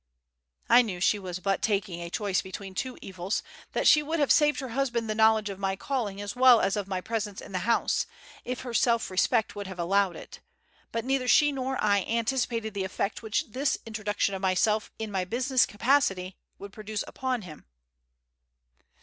I knew she was but taking a choice between two evils, that she would have saved her husband the knowledge of my calling as well as of my presence in the house, if her self respect would have allowed it; but neither she nor I anticipated the effect which this introduction of myself in my business capacity would produce upon him.